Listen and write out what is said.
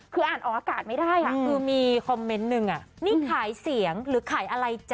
คืออ่านออกอากาศไม่ได้อ่ะคือมีคอมเมนต์หนึ่งอ่ะนี่ขายเสียงหรือขายอะไรจ๊